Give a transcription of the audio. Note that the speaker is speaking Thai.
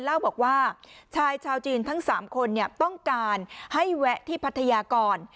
เล่าบอกว่าชายชาวจีนทั้ง๓คนต้องการให้แวะที่พัทยาก่อน